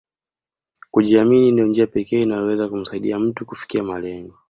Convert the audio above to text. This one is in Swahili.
Kujiamini ndio njia pekee inayoweza kumsaidia mtu kufikia malengo